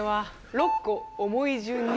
「６個、重い順に」